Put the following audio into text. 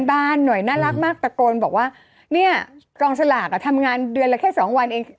บ้านหน่อยน่ารักมากตะโกนบอกว่าเนี่ยกองสลากอ่ะทำงานเดือนละแค่๒วันเอง